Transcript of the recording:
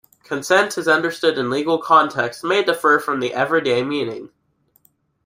Consent as understood in legal contexts may differ from the everyday meaning.